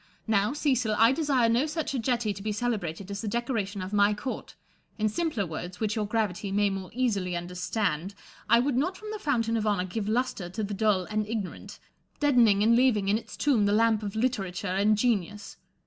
Now, Cecil, I desire no such a jetty to be celebrated as the decoration of my court : in simpler woi'ds, which your gravity may more easily understand, I would not from the fountain of honour give lustre to the dull and ignorant, deadening and leaving in its tomb the lamp of literature and genius.